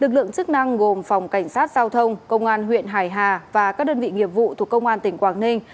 lực lượng chức năng gồm phòng cảnh sát giao thông công an huyện hải hà và các đơn vị nghiệp vụ thuộc công an tỉnh quảng ninh